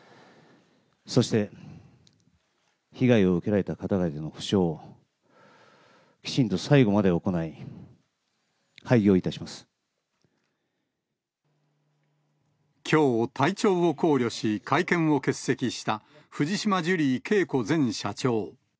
そして、被害を受けられた方々の補償、きちんと最後まで行い、きょう、体調を考慮し、会見を欠席した藤島ジュリー景子前社長。